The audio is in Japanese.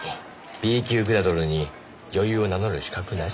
「Ｂ級グラドルに女優を名乗る資格なし！」